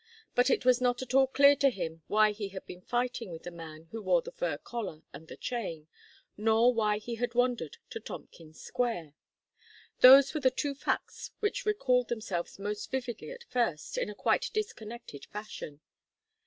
But it was not at all clear to him why he had been fighting with the man who wore the fur collar and the chain, nor why he had wandered to Tompkins Square. Those were the two facts which recalled themselves most vividly at first, in a quite disconnected fashion.